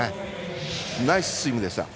ナイススイムでした。